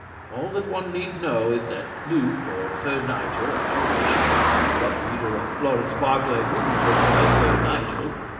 All that one need know is that Luke or Sir Nigel, as you wish (and what reader of Florence Barclay wouldn't prefer Sir Nigel?)